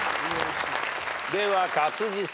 では勝地さん。